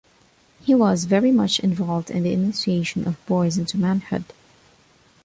He was very much involved in the initiation of boys into manhood.